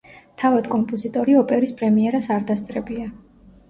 თავად კომპოზიტორი ოპერის პრემიერას არ დასწრებია.